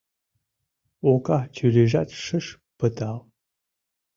Ока чурийжат шыш пытал.